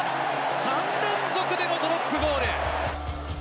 ３連続でのドロップゴール。